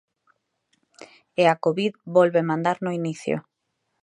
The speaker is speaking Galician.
E a Covid volve mandar no inicio.